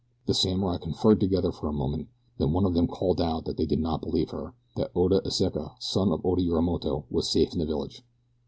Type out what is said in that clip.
The samurai conferred together for a moment, then one of them called out that they did not believe her, that Oda Iseka, son of Oda Yorimoto, was safe in the village.